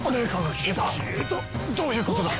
消えた！？どういうことだ？